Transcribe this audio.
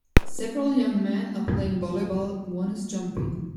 Several young men are playing volleyball one is jumping.